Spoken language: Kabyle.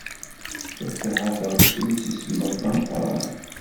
Fatiḥa teɣs imsismeḍ d ameqran.